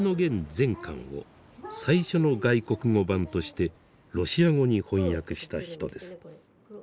全巻を最初の外国語版としてロシア語に翻訳した人です。